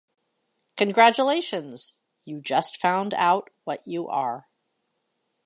Congratulations, you just found out what you are.